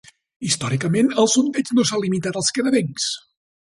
Històricament, el sondeig no s'ha limitat als canadencs.